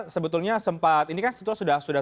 sebetulnya sempat ini kan sudah